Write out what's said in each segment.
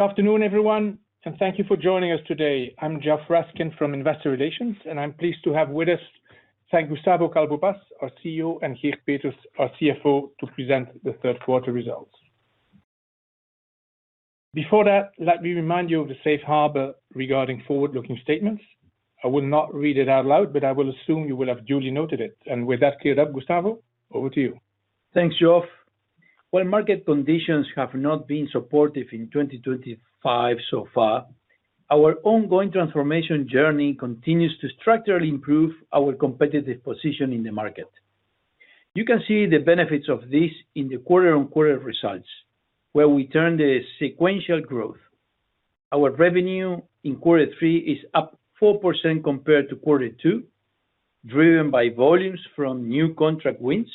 Good afternoon everyone and thank you for joining us today. I'm Geoffroy Raskin from Investor Relations and I'm pleased to have with us Gustavo Calvo Paz, our CEO, and Geert Peeters, our CFO, to present the third quarter results. Before that, let me remind you of the safe harbor regarding forward looking statements. I will not read it out loud, but I will assume you will have duly noted it. With that cleared up, Gustavo, over to you. Thanks, Geoff. While market conditions have not been supportive in 2023 so far, our ongoing transformation journey continues to structurally improve our competitive position in the market. You can see the benefits of this in the quarter-on-quarter results where we turn the sequential growth. Our revenue in Q3 is up 4% compared to Q2, driven by volumes from new contract wins.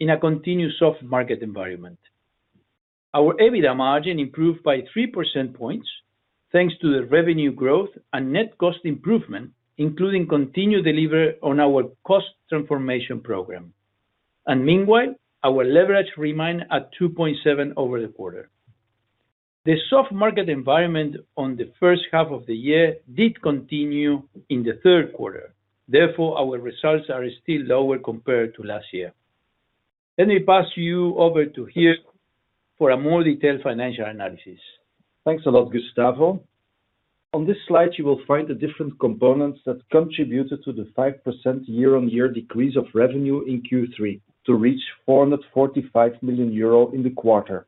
In a continuous soft market environment, our EBITDA margin improved by 3% points thanks to the revenue growth and net cost improvement, including continued delivery on our cost transformation program. Meanwhile, our leverage remained at 2.7% over the quarter. The soft market environment in the first half of the year did continue in the third quarter, therefore our results are still lower compared to last year. Let me pass you over to Geert for a more detailed financial analysis. Thanks a lot, Gustavo. On this slide you will find the different components that contributed to the 5% year-on-year decrease of revenue in Q3 to reach 445 million euro. In the quarter,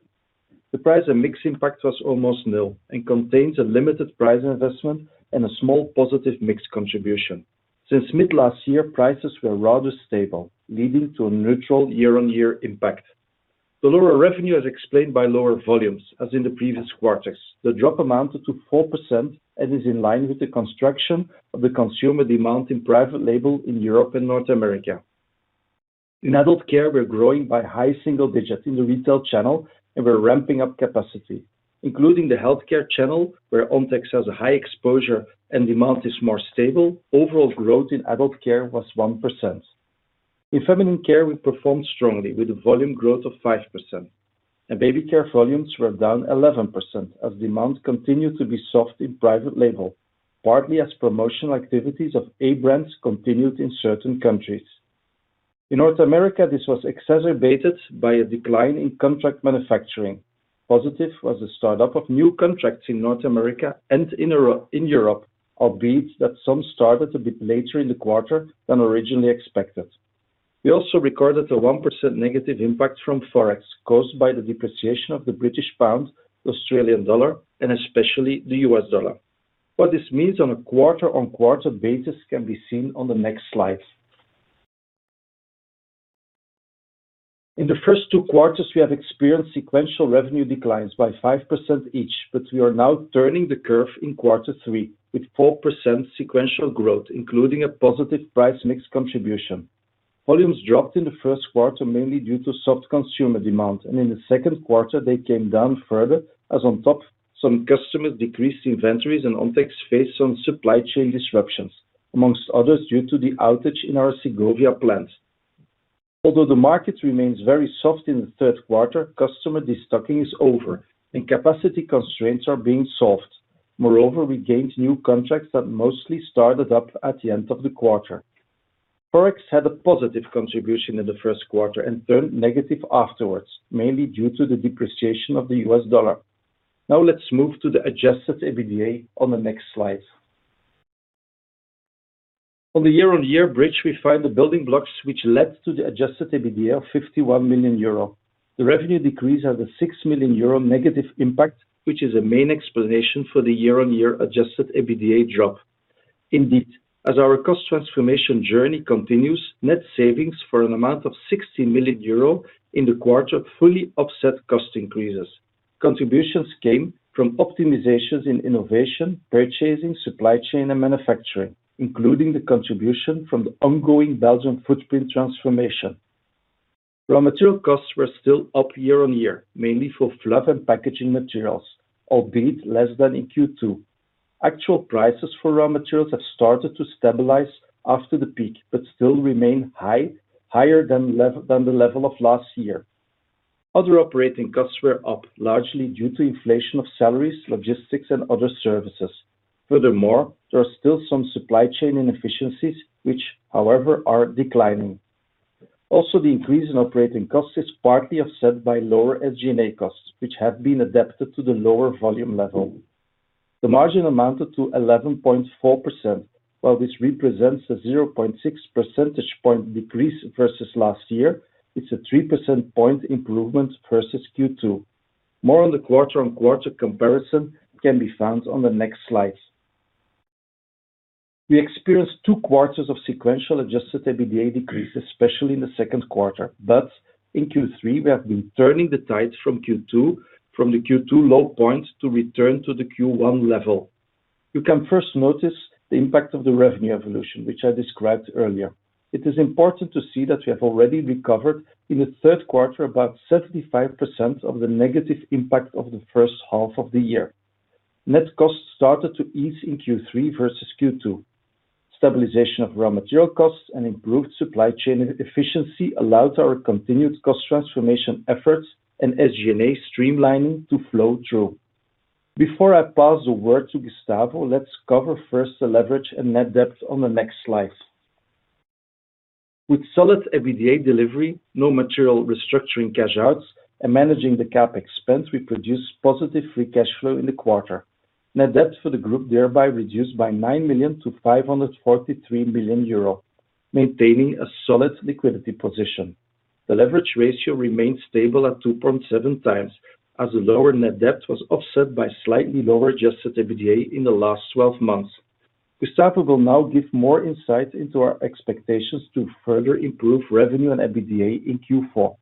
the price and mix impact was almost nil and contains a limited price investment and a small positive mix contribution. Since mid last year, prices were rather stable, leading to a neutral year-on-year impact. The lower revenue is explained by lower volumes as in the previous quarters. The drop amounted to 4% and is in line with the contraction of the consumer demand in private label in Europe and North America. In adult care, we're growing by high single digits in the retail channel and we're ramping up capacity, including the healthcare channel where Ontex has a high exposure and demand is more stable. Overall growth in adult care was 1%. In feminine care, we performed strongly with a volume growth of 5%, and baby care volumes were down 11% as demand continued to be soft in private label, partly as promotional activities of A brands continued in certain countries. In North America, this was exacerbated by a decline in contract manufacturing. Positive was the startup of new contracts in North America and in Europe, albeit that some started a bit later in the quarter than originally expected. We also recorded a 1% negative impact from Forex caused by the depreciation of the British pound, Australian dollar, and especially the U.S. dollar. What this means on a quarter-on-quarter basis can be seen on the next. In the first two quarters, we have experienced sequential revenue declines by 5% each, but we are now turning the curve in quarter three with 4% sequential growth, including a positive price mix contribution. Volumes dropped in the first quarter mainly due to soft consumer demand, and in the second quarter they came down further as on top some customers decreased inventories and Ontex faced some supply chain disruptions, amongst others due to the outage in our Segovia plant. Although the market remains very soft in the third quarter, customer destocking is over and capacity constraints are being solved. Moreover, we gained new contracts that mostly started up at the end of the quarter. Forex had a positive contribution in the first quarter and turned negative afterwards, mainly due to the depreciation of the U.S. dollar. Now let's move to the adjusted EBITDA on the next slide. On the year-on-year bridge, we find the building blocks which led to the adjusted EBITDA of 51 million euro. The revenue decrease had a 6 million euro negative impact, which is a main explanation for the year-on-year adjusted EBITDA drop. Indeed, as our cost transformation journey continues, net savings for an amount of 16 million euro in the quarter fully offset cost increases. Contributions came from optimizations in innovation, purchasing, supply chain, and manufacturing, including the contribution from the ongoing Belgian footprint transformation. Raw material costs were still up year-on-year, mainly for fluff and packaging materials, albeit less than in Q2. Actual prices for raw materials have started to stabilize after the peak but still remain higher than the level of last year. Other operating costs were up largely due to inflation of salaries, logistics, and other services. Furthermore, there are still some supply chain inefficiencies, which, however, are declining. Also, the increase in operating costs is partly offset by lower SG&A costs, which have been adapted to the lower volume level. The margin amounted to 11.4%. While this represents a 0.6 percentage point decrease versus last year, it is a 3 percentage point improvement versus Q2. More on the quarter-on-quarter comparison can be found on the next slide. We experienced two quarters of sequential adjusted EBITDA decrease, especially in the second quarter. In Q3, we have been turning the tide from Q2, from the Q2 low point to return to the Q1 level. You can first notice the impact of the revenue evolution, which I described earlier. It is important to see that we have already recovered in the third quarter about 75% of the negative impact of the first half of the year. Net costs started to ease in Q3 versus Q2. Stabilization of raw material costs and improved supply chain efficiency allowed our continued cost transformation efforts and SG&A streamlining to flow through. Before I pass the word to Gustavo, let's cover first the leverage and net debt on the next slide. With solid EBITDA delivery, no material restructuring cash outs, and managing the CapEx spend, we produced positive free cash flow in the quarter. Net debt for the group thereby reduced by 9 million - 543 million euro. Maintaining a solid liquidity position, the leverage ratio remains stable at 2.7x as the lower net debt was offset by slightly lower adjusted EBITDA in the last 12 months. Gustavo will now give more insight into our expectations to further improve revenue and EBITDA in Q4.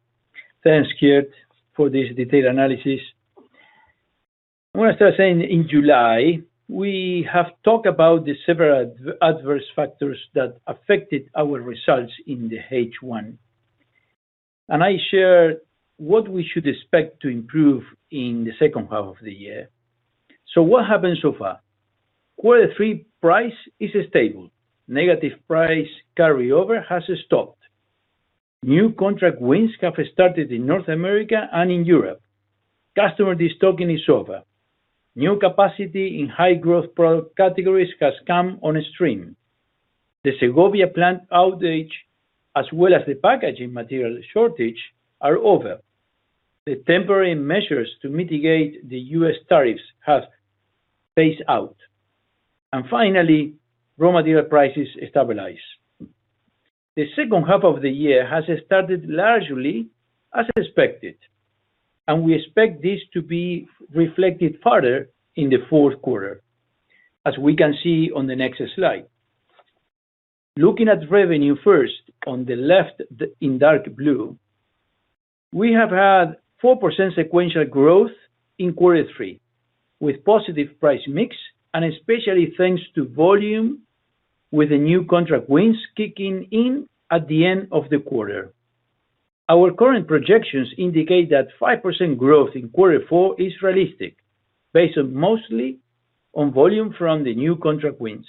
Thanks Geert for this detailed analysis. I want to start saying in July we have talked about the several adverse factors that affected our results in the H1 and I shared what we should expect to improve in the second half of the year. What happened so far? Q3 price is stable, negative price carryover has stopped, new contract wins have started in North America and in Europe customer destocking is over, new capacity in high growth product categories has come on stream. The Segovia plant outage as well as the packaging material shortage are over. The temporary measures to mitigate the U.S. tariffs have phased out and finally raw material prices stabilize. The second half of the year has started largely as expected and we expect this to be reflected further in the fourth quarter as we can see on the next slide. Looking at revenue first on the left in dark blue, we have had 4% sequential growth in Q3 with positive price mix and especially thanks to volume with the new contract wins kicking in at the end of the quarter, our current projections indicate that 5% growth in Q4 is realistic based mostly on volume from the new contract wins.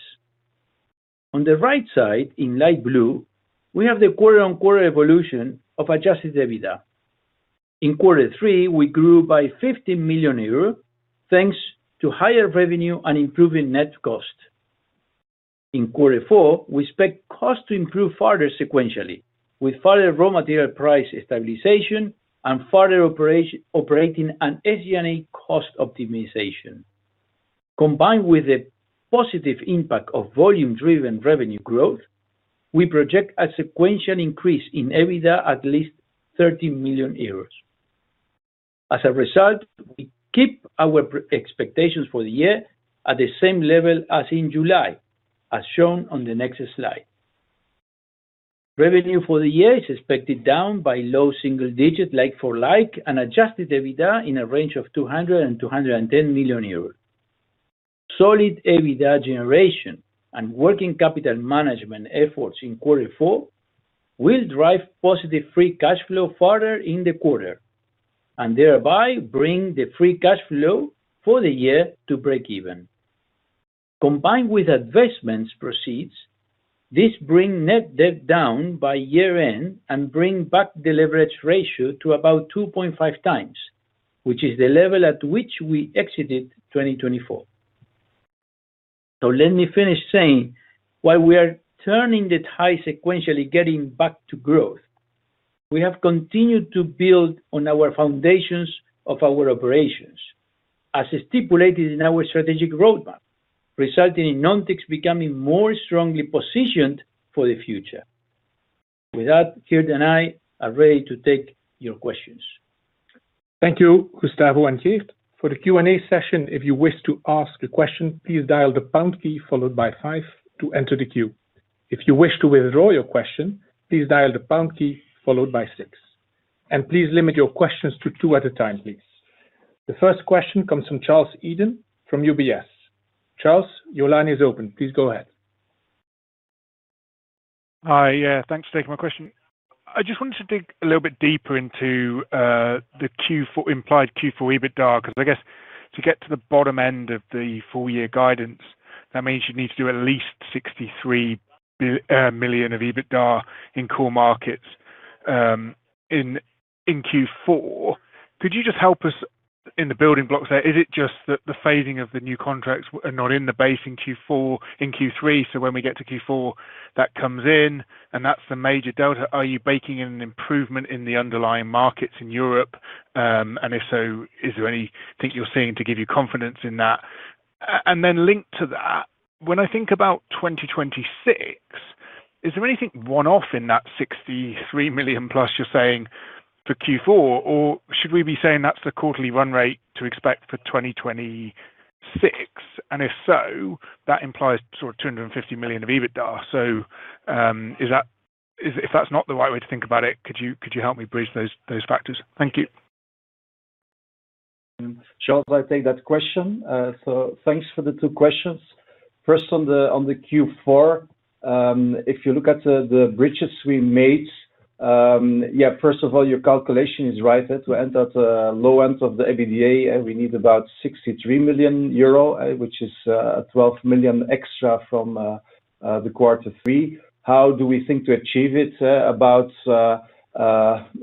On the right side in light blue we have the quarter-on-quarter evolution of adjusted EBITDA. In Q3 we grew by 15 million euros thanks to higher revenue and improving net cost. In Q4 we expect cost to improve further sequentially with further raw material price stabilization and further operating and SG&A cost optimization combined with the positive impact of volume driven revenue growth, we project a sequential increase in EBITDA at least 30 million euros. As a result, we keep our expectations for the year at the same level as in July. As shown on the next slide, revenue for the year is expected down by low single digit like for like and adjusted EBITDA in a range of 200 million euros and 210 million euros. Solid EBITDA generation and working capital management efforts in Q4 will drive positive free cash flow further in the quarter and thereby bring the free cash flow for the year to break even. Combined with investments proceeds this brings net debt down by year end and brings back the leverage ratio to about 2.5x, which is the level at which we exited 2024. Let me finish saying while we are turning the tide sequentially getting back to growth, we have continued to build on our foundations of our operations as stipulated in our strategic roadmap, resulting in Ontex becoming more strongly positioned for the future. With that, Geert and I are ready to take your questions. Thank you, Gustavo and Geert, for the Q&A session. If you wish to ask a question, please dial the pound key followed by 5 to enter the queue. If you wish to withdraw your question, please dial the pound key followed by 6. Please limit your questions to two at a time. The first question comes from Charles Eden from UBS. Charles, your line is open. Please go ahead. Hi, thanks for taking my question. I just wanted to dig a little bit deeper into the implied Q4 EBITDA because I guess to get to the bottom end of the full year guidance, that means you need to do at least 63 million of EBITDA in core markets in Q4. Could you just help us in the building blocks there? Is it just that the phasing of the new contracts are not in the base in Q4 in Q3? When we get to Q4 that comes and that's the major delta, are you baking an improvement in the underlying markets in Europe? If so, is there anything you're seeing to give you confidence in that? Linked to that, when I think about 2026, is there anything one off in that 63 million+ you're saying for Q4 or should we be saying that's the quarterly run rate to expect for 2026? If so, that implies 250 million of EBITDA. Is that, if that's not the right way to think about it, could you help me bridge those factors? Thank you. Charles, I take that question. Thanks for the two questions. First, on the Q4, if you look at the bridges we made. First of all, your calculation is right. We entered the low end of the EBITDA and we need about 63 million euro, which is 12 million extra from the Q3. How do we think to achieve it? About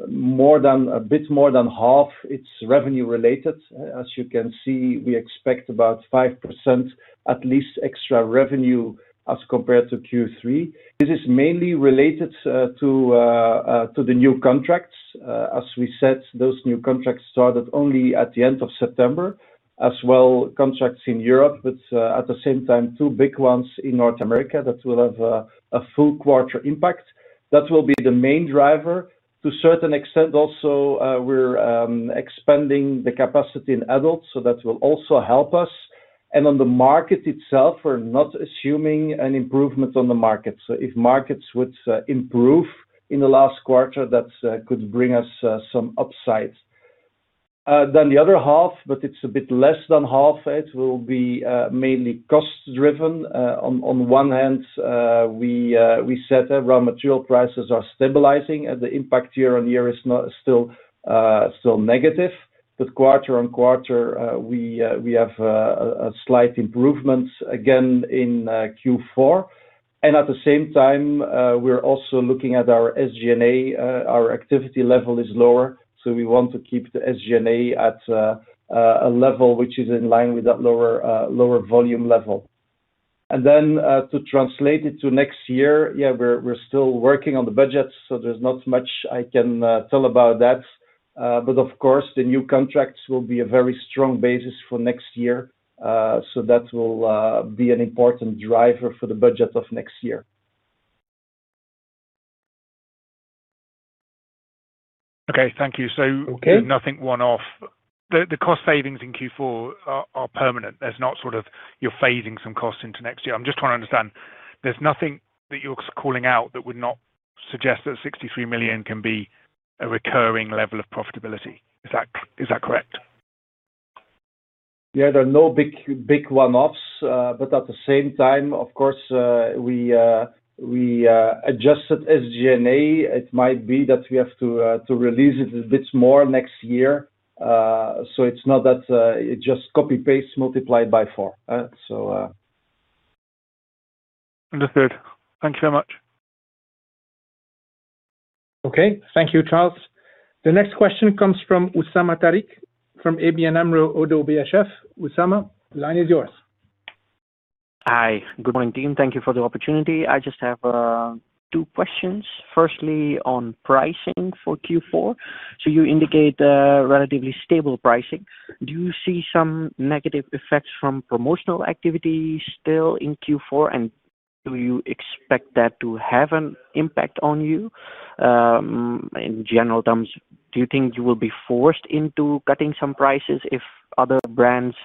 more than a bit more than half. It's revenue related, as you can see. We expect about 5% at least extra revenue as compared to Q3. This is mainly related to the new contracts. As we said, those new contracts started only at the end of September as well, contracts in Europe, but at the same time two big ones in North America that will have a full quarter impact. That will be the main driver to a certain extent. Also, we're expanding the capacity in adults, so that will also help us. On the market itself, we're not assuming an improvement on the market. If markets would improve in the last quarter, that could bring us some upside. The other half, but it's a bit less than half, will be mainly cost driven. On one hand, we said raw material prices are stabilizing and the impact year-on-year is still negative. Quarter-on-quarter, we have a slight improvement again in Q4, and at the same time we're also looking at our SG&A. Our activity level is lower, so we want to keep the SG&A at a level which is in line with that lower volume level. To translate it to next year, we're still working on the budget, so there's not much I can tell about that. Of course, the new contracts will be a very strong basis for next year. That will be an important driver for the budget of next year. Okay, thank you. Nothing one off, the cost savings in Q4 are permanent. There's not sort of, you're phasing some costs into next year. I'm just trying to understand, there's nothing that you're calling out that would not suggest that 63 million can be a recurring level of profitability, is that correct? Yeah, there are no big one-offs. At the same time, of course, we adjusted SG&A. It might be that we have to release it a bit more next year. It's not that it just copy paste multiplied by four. Understood. Thank you very much. Okay, thank you, Charles. The next question comes from Usama Tariq from ABN AMRO - ODDO BHF. Usama, the line is yours. Hi, good morning team. Thank you for the opportunity. I just have two questions. Firstly on pricing for Q4, you indicate relatively stable pricing. Do you see some negative effects from promotional activity still in Q4? Do you expect that to have an impact on you? In general terms, do you think you will be forced into cutting some prices if other brands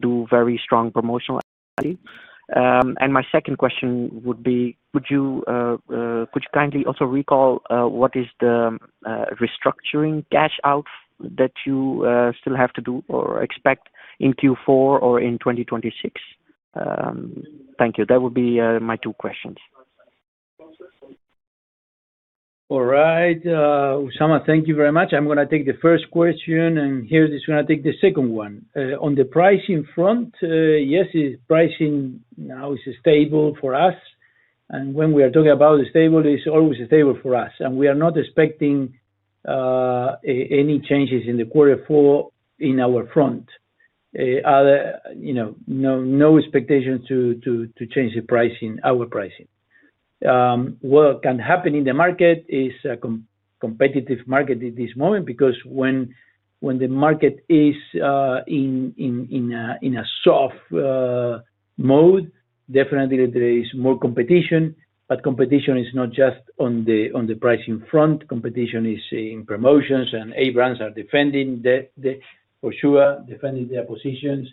do very strong promotional activity? My second question would be, could you kindly also recall what is the restructuring cash out that you still have to do or expect in Q4 or in 2026? Thank you. That would be my two questions. All right, Usama, thank you very much. I'm going to take the first question and Geert is going to take the second one. On the pricing front, yes, pricing now is stable for us. When we are talking about the stable, it's always stable for us. We are not expecting any changes in Q4 in our front, no expectations to change the pricing, our pricing. What can happen in the market is a competitive market at this moment. Because when the market is in a soft mode, definitely there is more competition. Competition is not just on the pricing front. Competition is seeing promotions and ABRMs are for sure defending their positions.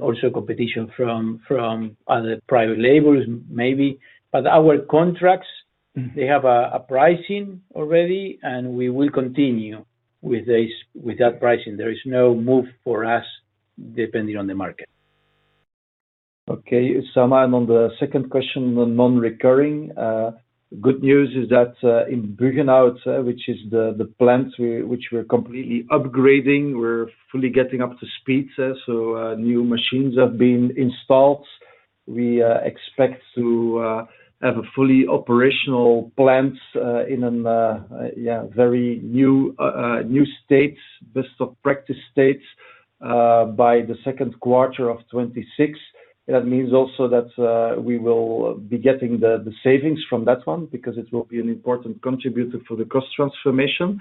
Also, competition from other private labels maybe. Our contracts, they have a pricing already and we will continue with that pricing. There is no move for us depending on the market. Okay, Usaman, on the second question, non-recurring good news is that in Bugenhout, which is the plant which we're completely upgrading, we're fully getting up to speed. New machines have been installed. We expect to have a fully operational plant in a very new state, best of practice states by Q2 2026. That means also that we will be getting the savings from that one, because it will be an important contributor for the cost transformation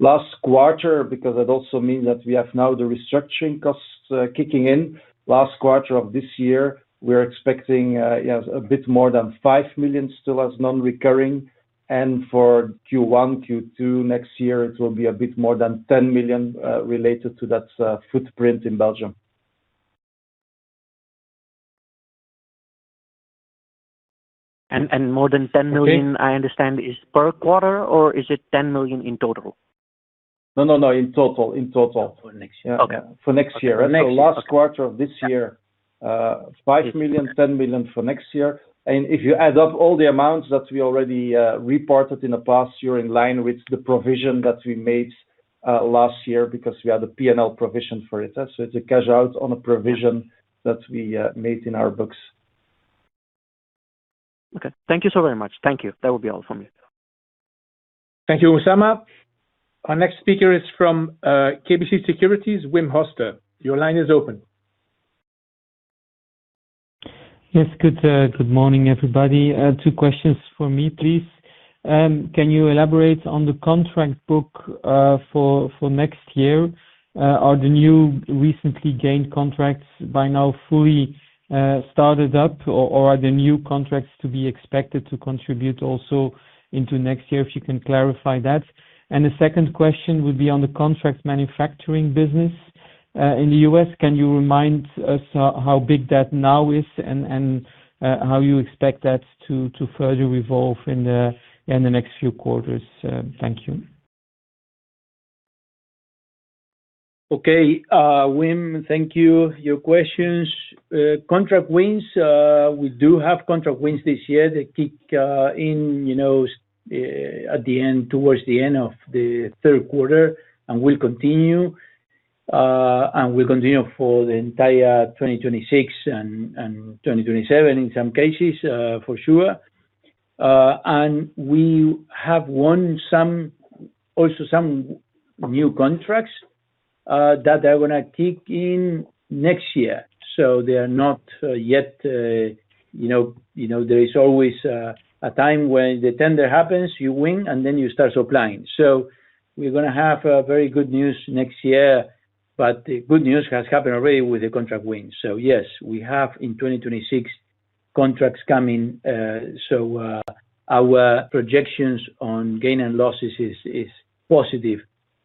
last quarter. It also means that we have now the restructuring costs kicking in. Last quarter of this year we're expecting a bit more than 5 million still as non-recurring. For Q1, Q2 next year it will be a bit more than 10 million related to that footprint in Belgium. Is more than 10 million per quarter, or is it 10 million in total? In total for next year, last quarter of this year, 5 million, 10 million for next year. If you add up all the amounts that we already reported in the past, you're in line with the provision that we made last year because we had a P&L provision for it. It's a cash out on a provision that we made in our books. Okay, thank you so very much. Thank you. That would be all from me. Thank you, Usama. Our next speaker is from KBC Securities. Wim Hoste, your line is open. Yes, good morning everybody. Two questions for me please. Can you elaborate on the contract book for next year? Are the new recently gained contracts by now fully started up, or are the new contracts to be expected to contribute also into next year? If you can clarify that. The second question would be on the contract manufacturing business in the U.S. Can you remind us how big that now is and how you expect that to further evolve in the next few quarters? Thank you. Okay, Wim, thank you. Your questions. Contract wins. We do have contract wins this year. The key, you know, at the end, towards the end of the third quarter and will continue and will continue for the entire 2026 and 2027 in some cases for sure. We have won also some new contracts that are going to kick in next year. They are not yet, you know, there is always a time when the tender happens, you win and then you start supplying. We are going to have very good news next year. The good news has happened already with the contract win. Yes, we have in 2026 contracts coming. Our projections on gain and losses is positive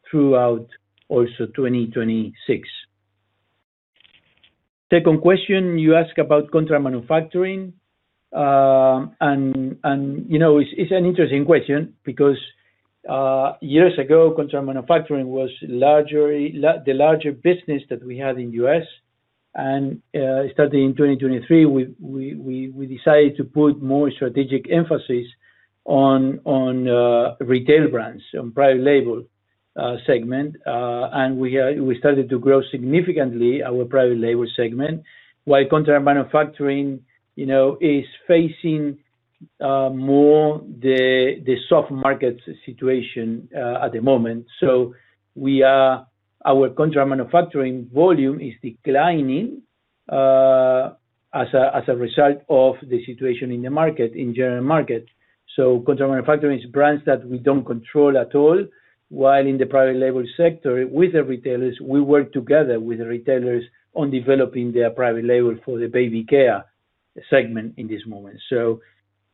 throughout also 2026. Second question, you ask about contract manufacturing and, you know, it's an interesting question because years ago contract manufacturing was the larger business that we had in the U.S. Starting in 2023, we decided to put more strategic emphasis on retail brands, on private label segment, and we started to grow significantly our private label segment while contract manufacturing, you know, is facing more the soft market situation at the moment. Our contract manufacturing volume is declining as a result of the situation in the market, in general market. Contract manufacturing is brands that we don't control at all, while in the private label sector with the retailers, we work together with the retailers on developing their private label for the baby care segment in this moment.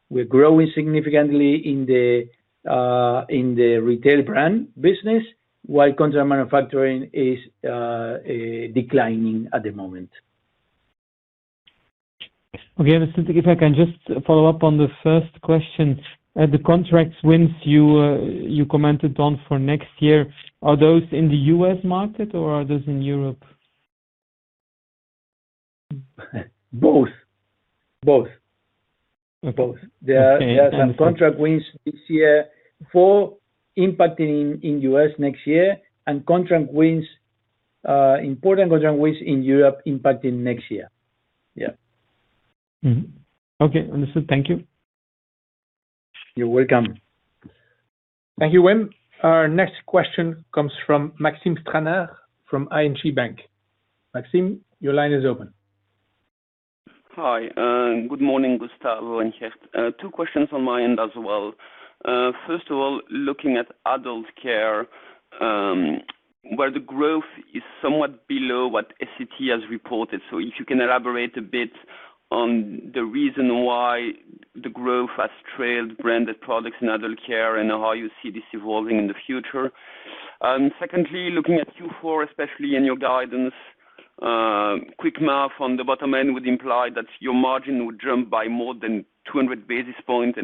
We are growing significantly in the retail brand business while contract manufacturing is declining at the moment. Okay, understood. If I can just follow up on the first question. The contract wins you commented on for next year, are those in the U.S. market or are those in Europe? Both. Both. Both. There are some contract wins this year, four impacting in U.S. next year, and contract wins important, with waste in Europe impacting next year. Yeah, okay, understood. Thank you. You're welcome. Thank you, Wim. Our next question comes from Maxime Stranart from ING Bank. Maxime, your line is open. Hi, good morning. Gustavo and Geert. Two questions on my end as well. First of all, looking at adult care, where the growth is somewhat below what SCA has reported. If you can elaborate a bit on the reason why the growth has trailed branded products in adult care and how you see this evolving in the future. Secondly, looking at Q4, especially in your guidance, quick math on the bottom end would imply that your margin would jump by more than 200 basis points.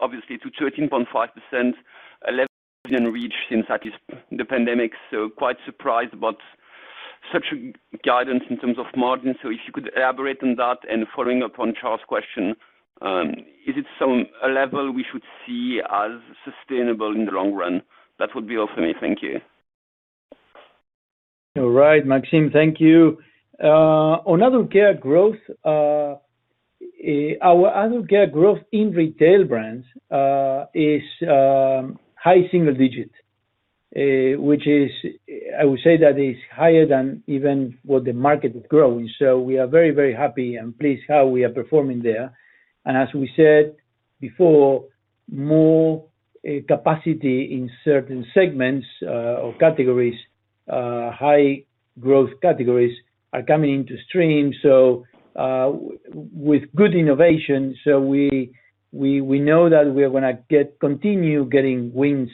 Obviously, to 13.5% in reach since the pandemic. Quite surprised about such a guidance in terms of margins. If you could elaborate on that and following up on Charles' question, is it some level we should see as sustainable in the long run? That would be awesome. Thank you. All right, Maxime, thank you. On other care growth, our other care growth in retail brands is high single digit, which is, I would say, that is higher than even what the market is growing. We are very, very happy and pleased how we are performing there. As we said before, more capacity in certain segments or categories, high growth categories, are coming into stream with good innovation. We know that we are going to continue getting wins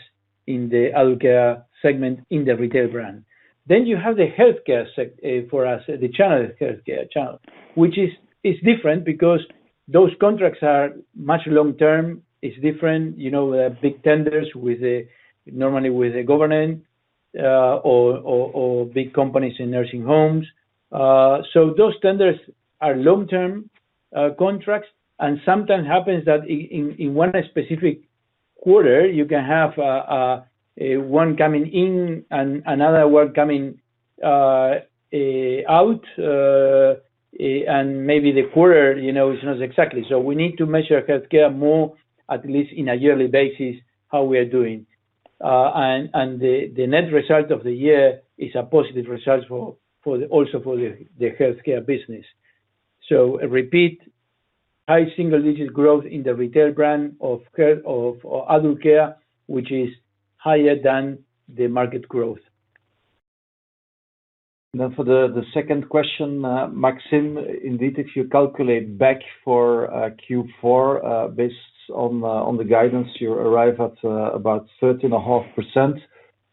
in the adult care segment in the retail brand. You have the healthcare sector for us, the healthcare channel, which is different because those contracts are much long term. It's different, you know, big tenders normally with the government or big companies in nursing homes. Those tenders are long term contracts and sometimes it happens that in one specific quarter you can have one coming in and another one coming out and maybe the quarter is not exactly. We need to measure healthcare more, at least on a yearly basis, how we are doing. The net result of the year is a positive result also for the healthcare business. Repeat high single digit growth in the retail brand of adult care, which is higher than the market growth. Now for the second question, Maxime. Indeed, if you calculate back for Q4 based on the guidance, you arrive at about 13.5%.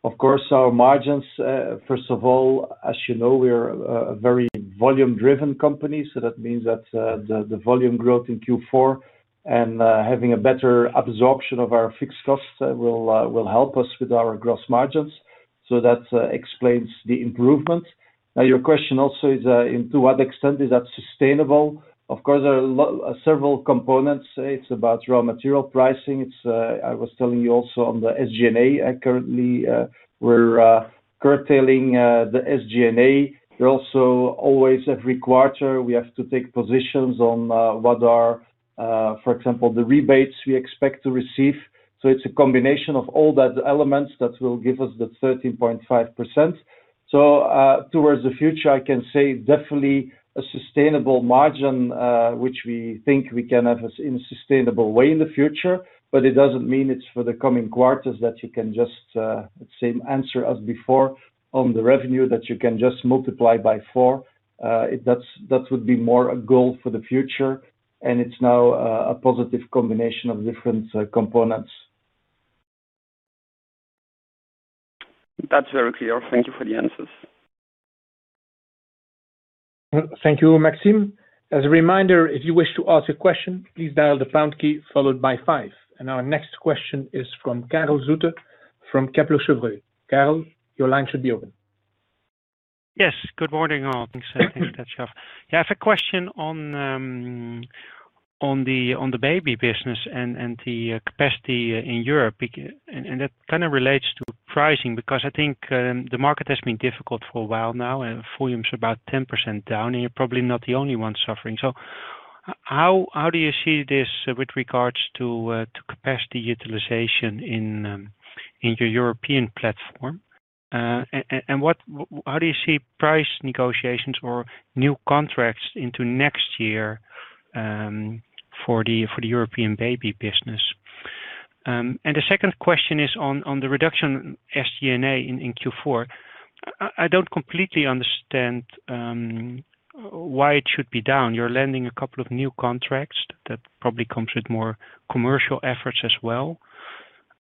Of course, our margins. First of all, as you know, we are a very volume-driven company. That means that the volume growth in Q4 and having a better absorption of our fixed costs will help us with our gross margins. That explains the improvement. Now your question also is to what extent is that sustainable? Of course, there are several components. It's about raw material pricing. I was telling you also on the SG&A, currently we're curtailing the SG&A. Also, always every quarter we have to take positions on what are, for example, the rebates we expect to receive. It's a combination of all those elements that will give us the 13.5%. Towards the future, I can say definitely a sustainable margin, which we think we can have in a sustainable way in the future. It doesn't mean it's for the coming quarters that you can just. Same answer as before on the revenue, that you can just multiply by four. That would be more a goal for the future. It's now a positive combination of different components. That's very clear. Thank you for the answers. Thank you. Maxime. As a reminder, if you wish to ask a question, please dial the pound key followed by five. Our next question is from Karel Zoete from Kepler Cheuvreux. Karel, your line should be open. Yes. Good morning all. Thanks. I have a question on the baby business and the capacity in Europe, and that kind of relates to pricing because I think the market has been difficult for a while now. Volume's about 10% down, and you're probably not the only one suffering. How do you see this with regards to capacity utilization in your European platform? How do you see price negotiations or new contracts into next year for the European baby business? The second question is on the reduction of SG&A in Q4. I don't completely understand why it should be down. You're landing a couple of new contracts. That probably comes with more commercial efforts as well.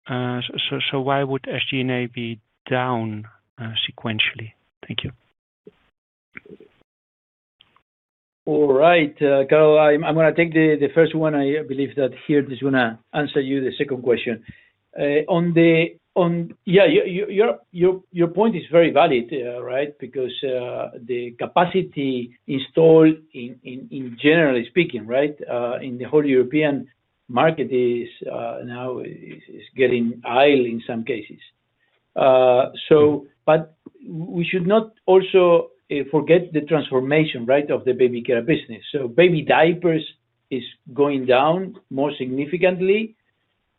Why would SG&A be down sequentially? Thank you. All right, Karel, I'm going to take the first one. I believe that Geert is going to answer you the second question. Your point is very valid, right, because the capacity installed in, generally speaking, right, in the whole European market is now getting idle in some cases. We should not also forget the transformation of the baby care business. Baby diapers is going down more significantly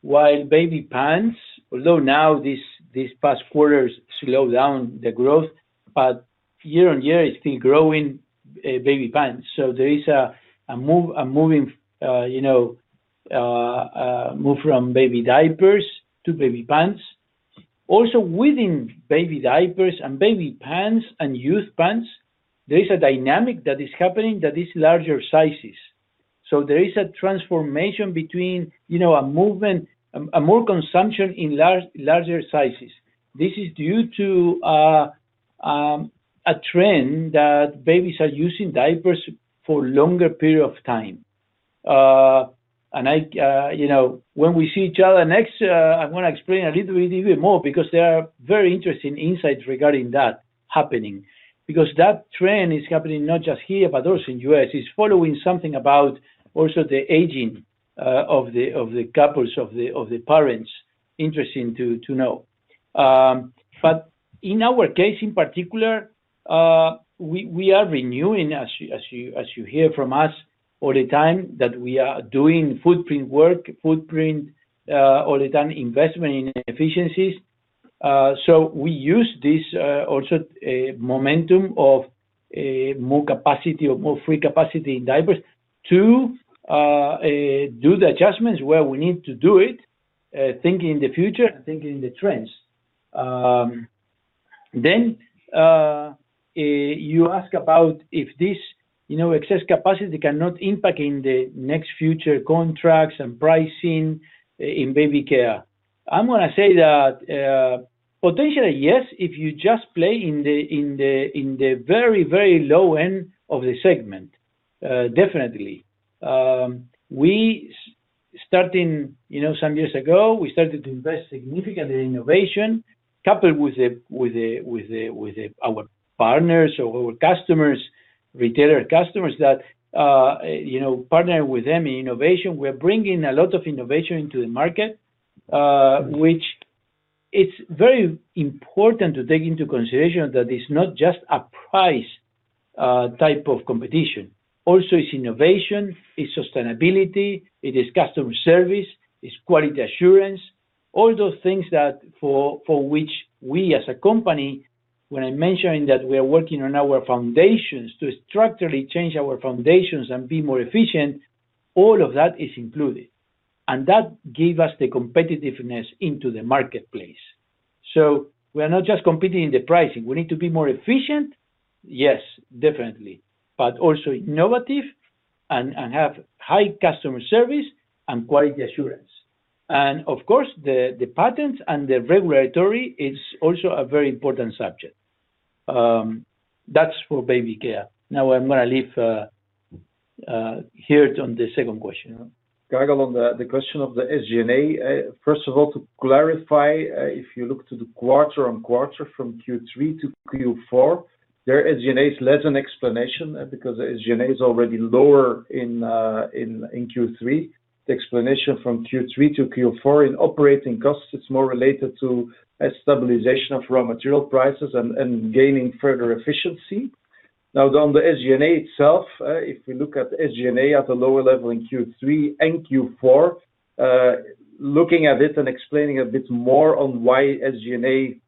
while baby pants, although now these past quarters slowed down the growth, but year-on-year it's been growing baby pants. There is a move from baby diapers to baby pants. Also within baby diapers and baby pants and youth pants, there is a dynamic that is happening that is larger sizes. There is a transformation between a movement, more consumption in larger sizes. This is due to a trend that babies are using diapers for a longer period of time. When we see each other next, I want to explain a little bit more because there are very interesting insights regarding that happening because that trend is happening not just here, but also in the U.S. It's following something about also the aging of the couples of the parents. Interesting to know. In our case in particular, we are renewing, as you hear from us all the time, that we are doing footprint work, footprint all the time, investment in efficiencies. We use this also momentum of more capacity or more free capacity in diapers to do the adjustments where we need to do it, thinking in the future, thinking the trends. You ask about if this excess capacity cannot impact in the next future contracts and pricing in baby care. I'm going to say that potentially yes, if you just play in the very, very low end of the segment, definitely. We started, you know, some years ago we started to invest significantly in innovation coupled with our partners or customers, retailer customers that you know, partner with them in innovation. We're bringing a lot of innovation into the market which it's very important to take into consideration that it's not just a price type of competition, also it's innovation, it's sustainability, it is customer service, it's quality assurance. All those things that for which we as a company when I mentioned that we are working on our foundations to structurally change our foundations and be more efficient, all of that is included and that gave us the competitiveness into the marketplace. We are not just competing in the pricing, we need to be more efficient, yes, definitely, but also innovative and have high customer service and quality assurance. Of course the patents and the regulatory is also a very important subject. That's for baby care. Now I'm going to leave Geert on the second question. Karel, on the question of the SG&A, first of all to clarify, if you look to the quarter-on-quarter from Q3 to Q4, there SG&A is less an explanation because SG&A is already lower in Q3. The explanation from Q3 to Q4 in operating costs is more related to stabilization of raw material prices and gaining further efficiency. Now on the SG&A itself, if we look at SG&A at a lower level in Q3 and Q4, looking at it and explaining a bit more on why SG&A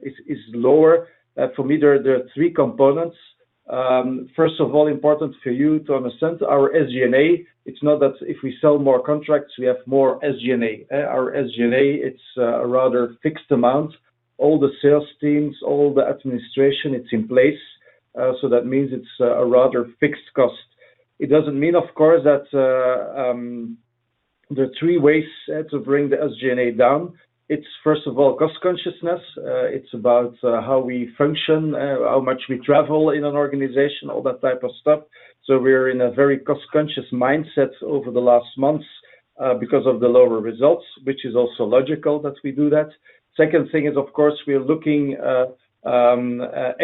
is lower. For me there are three components. First of all, important for you to understand our SG&A, it's not that if we sell more contracts we have more SG&A. Our SG&A, it's a rather fixed amount. All the sales teams, all the administration, it's in place. That means it's a rather fixed cost. It doesn't mean of course that there are three ways to bring the SG&A down. It's first of all cost consciousness. It's about how we function, how much we travel in an organization, all that type of stuff. We're in a very cost conscious mindset over the last months because of the lower results, which is also logical that we do that. Second thing is of course we are looking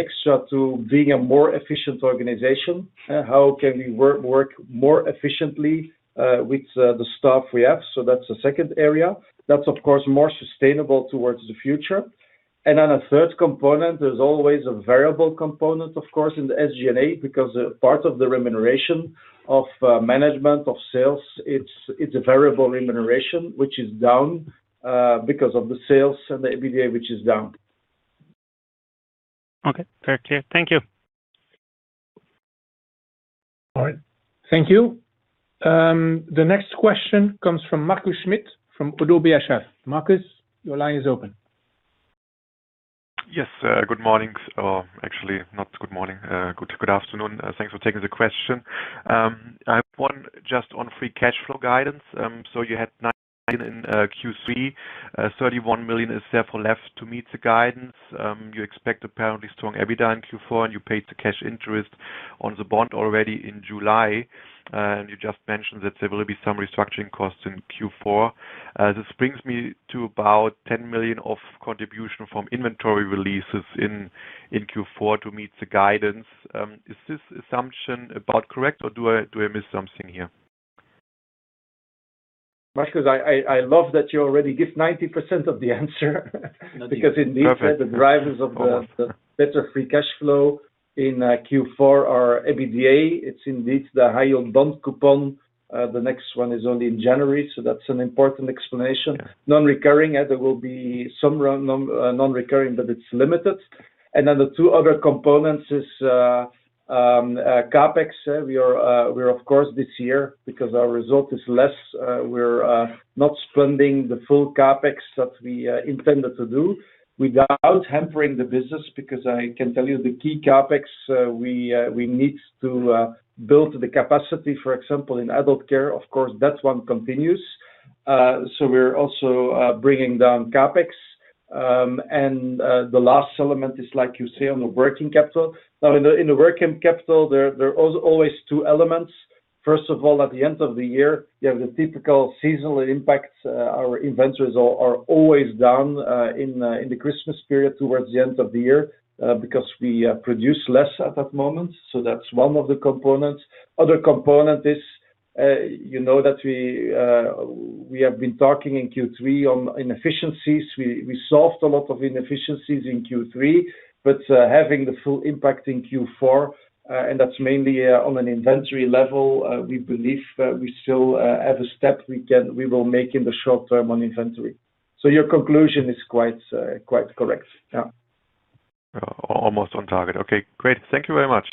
extra to being a more efficient organization. How can we work more efficiently with the staff we have? That's the second area that's of course more sustainable towards the future. Then a third component, there's always a variable component of course in the SG&A because part of the remuneration of management, of sales, it's a variable remuneration which is down because of the sales and the EBITDA which is down. Okay, very clear. Thank you. All right, thank you. The next question comes from Markus Schmitt from ODDO BHF. Marcus, your line is open. Good afternoon. Thanks for taking the question. I have one just on free cash flow guidance. You had 19 million in Q3. 31 million is therefore left to meet the guidance. You expect apparently strong EBITDA in Q4, and you paid the cash interest on the bond already in July. You just mentioned that there will be some restructuring costs in Q4. This brings me to about 10 million of contribution from inventory releases in Q4 to meet the guidance. Is this assumption about correct or do I miss something here? Markus, I love that you already give 90% of the answer because indeed the drivers of the better free cash flow in Q4 are EBITDA, it's indeed the high yield bond coupon. The next one is only in January. That's an important explanation. Non-recurring, there will be some non-recurring, but it's limited. The two other components are CapEx. We are, of course this year because our result is less, we're not spending the full CapEx that we intended to do without hampering the business because I can tell you the key CapEx we need to build the capacity, for example, in adult care. Of course, that one continues. We're also bringing down CapEx. The last element is, like you say, on the working capital. In the working capital there are always two elements. First of all, at the end of the year you have the typical seasonal impacts. Our inventories are always down in the Christmas market period towards the end of the year because we produce less at that moment. That's one of the components. The other component is you know that we have been talking in Q3 on inefficiencies. We solved a lot of inefficiencies in Q3 but having the full impact in Q4 and that's mainly on an inventory level. We believe we still have a step we can, we will make in the short term on inventory. Your conclusion is quite correct. Almost on target. Okay, great. Thank you very much.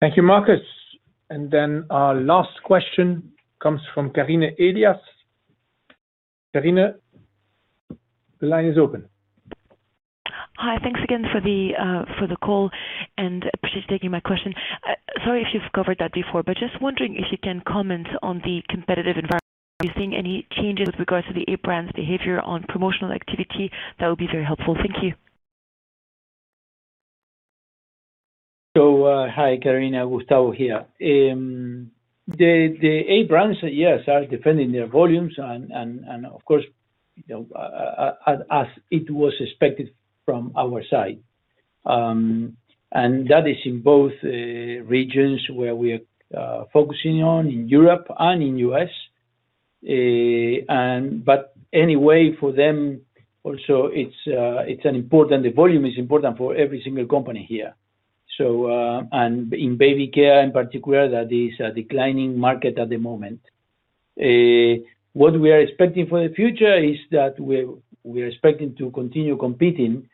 Thank you, Markus. Our last question comes from Karine Elias. Karine, the line is open. Hi, thanks again for the call and appreciate taking my question. Sorry if you've covered that before, but just wondering if you can comment on the competitive environment. Are you seeing any changes with regards to the eight brands' behavior on promotional activity? That would be very helpful, thank you. Hi, Karine. Gustavo here. The eight brands, yes, are defending their volumes and of course as it was expected from our side and that is in both regions where we are focusing on in Europe and in the U.S. For them also, volume is important for every single company here. In baby care in particular, that is a declining market at the moment. What we are expecting for the future is that we are expecting to continue competing.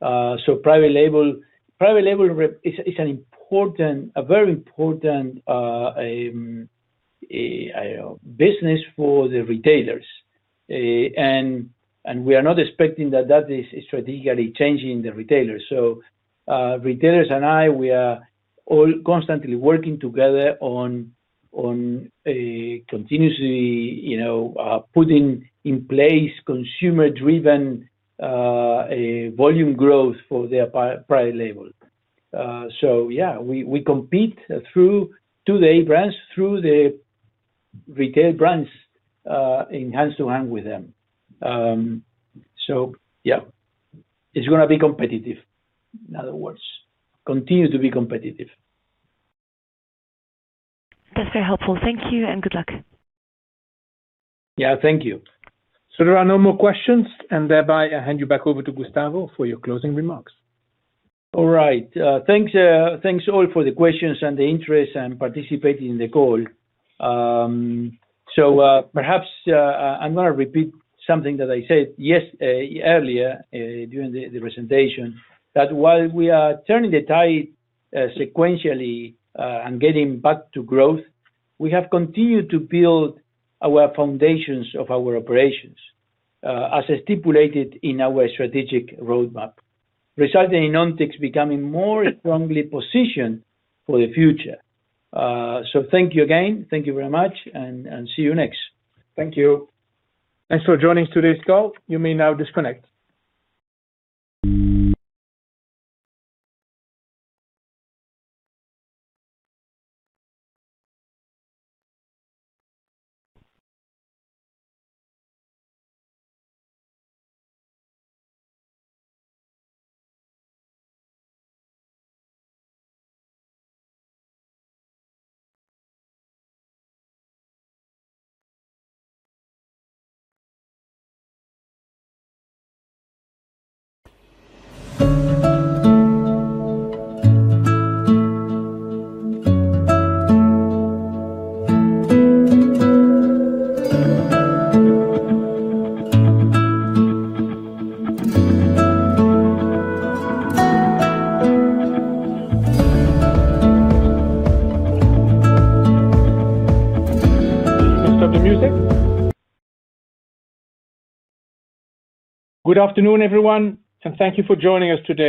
Private label is a very important business for the retailers and we are not expecting that that is strategically changing the retailers. Retailers and I, we are all constantly working together on continuously putting in place consumer-driven volume growth for their private label. We compete through today brands, through the retail brands in hand to hand with them. It's going to be competitive. In other words, continue to be competitive. That's very helpful, thank you, and good luck. Thank you. There are no more questions, and thereby I hand you back over to Gustavo for your closing remarks. All right, thanks all for the questions and the interest and participating in the call. Perhaps I'm going to repeat something that I said earlier during the presentation, that while we are turning the tide sequentially and getting back to growth, we have continued to build our foundations of our operations as stipulated in our strategic roadmap, resulting in Ontex becoming more strongly positioned for the future. Thank you again. Thank you very much and see you next. Thank you. Thanks for joining today's call. You may now disconnect. Sam, you can stop the music. Good afternoon everyone, and thank you for joining us today.